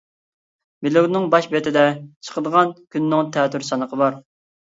بىلوگنىڭ باش بېتىدە، چىقىدىغان كۈنىنىڭ تەتۈر سانىقى بار.